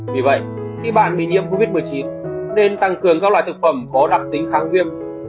vì vậy khi bạn bị nhiễm covid một mươi chín nên tăng cường các loại thực phẩm có đặc tính kháng viêm